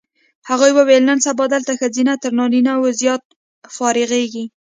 هغې وویل نن سبا دلته ښځینه تر نارینه و زیات فارغېږي.